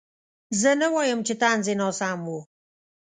زه نه وایم چې طنز یې ناسم و.